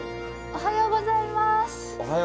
おはようございます。